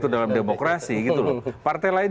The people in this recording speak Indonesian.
dalam demokrasi partai lain